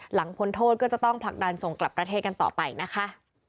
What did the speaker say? พ้นโทษก็จะต้องผลักดันส่งกลับประเทศกันต่อไปนะคะ